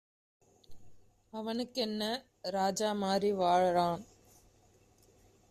அவனுக்கென்ன ராஜா மாரி வாழ்றான்